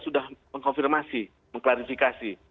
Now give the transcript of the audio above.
sudah mengkonfirmasi mengklarifikasi